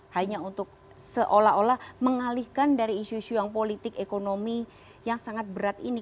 hanya untuk seolah olah mengalihkan dari isu isu yang politik ekonomi yang sangat berat ini